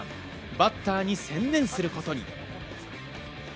バッターに専念することに。